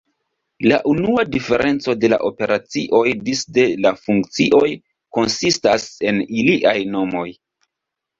La unua diferenco de la operacioj disde la funkcioj konsistas en iliaj nomoj.